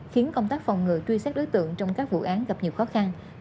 khiến công tác phòng ngừa truy sát đối tượng trong các vụ án gặp nhiều khó khăn